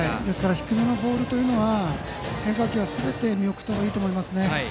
低めのボールは変化球はすべて見送った方がいいと思いますね。